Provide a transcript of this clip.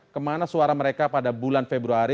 kemana suara mereka pada bulan februari